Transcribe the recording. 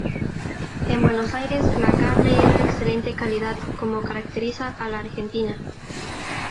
En Buenos Aires la carne es de excelente calidad como caracteriza a la Argentina.